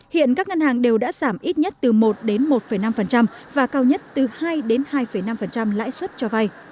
hiện các ngân hàng đều đã giảm ít nhất từ một đến một năm và cao nhất từ hai hai năm lãi suất cho vay